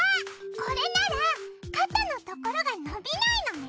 これなら肩のところが伸びないのね。